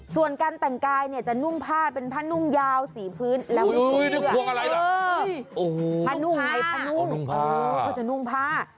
ส่วนการแต่งกายเนี่ยจะนุ่งผ้าเป็นผ้านุ่งยาวสีพื้นแล้วผ้านุ่งไงก็จะนุ่งผ้า